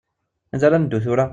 Anida ara neddu tura?